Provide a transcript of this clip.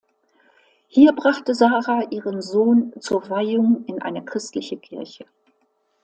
Hier brachte Sara ihren Sohn zur Weihung in eine christliche Kirche.